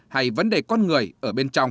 hay vấn đề con người ở bên trong